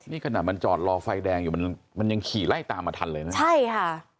นี่ขนาดมันจอดรอไฟแดงอยู่มันมันยังขี่ไล่ตามมาทันเลยนะใช่ค่ะ